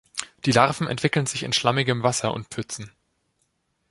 Die Larven entwickeln sich in schlammigem Wasser und Pfützen.